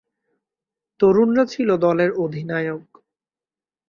তরুণরা ছিল দলের অধিনায়ক।